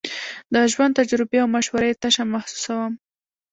د ژوند تجربې او مشورې تشه محسوسوم.